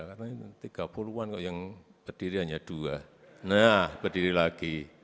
nah ada karena tiga puluh an kok yang berdiri hanya dua nah berdiri lagi